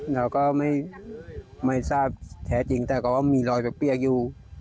เราก็ไม่ทราบแท้จริงแต่ก็ว่ามีรอยกระเปียกอยู่